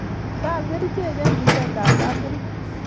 kaal kerichek eng' duketab kapkerich